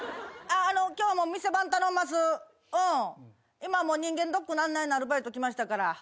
今人間ドックの案内のアルバイト来ましたから。